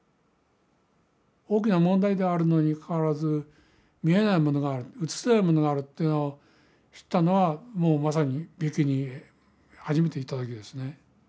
大きな問題であるのにかかわらず見えないものがある写せないものがあるというのを知ったのはもうまさにビキニへ初めて行った時ですね。